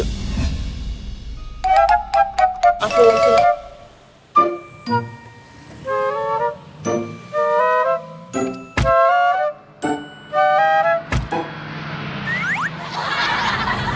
อ่ะทง